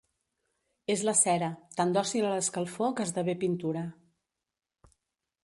És la cera, tan dòcil a l’escalfor que esdevé pintura.